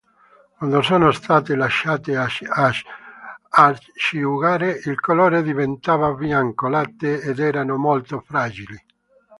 Quando sono state lasciate asciugare, il colore diventava bianco latte ed erano molto fragili.